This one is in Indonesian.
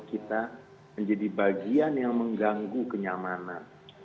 kita menjadi bagian yang mengganggu kenyamanan